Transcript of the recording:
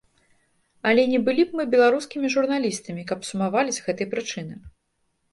Але не былі б мы беларускімі журналістамі, каб сумавалі з гэтай прычыны.